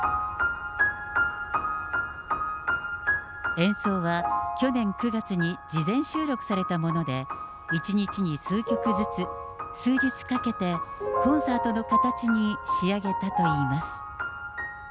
演奏は去年９月に事前収録されたもので、１日に数曲ずつ、数日かけてコンサートの形に仕上げたといいます。